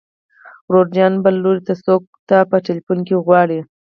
ورور جانه بل لوري ته څوک تا په ټليفون کې غواړي.